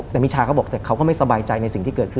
แต่มิชาเขาบอกแต่เขาก็ไม่สบายใจในสิ่งที่เกิดขึ้น